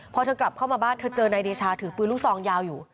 พอเธอกลับเข้ามาบ้านเธอเจอนายเดชาถือปืนลูกซองยาวอยู่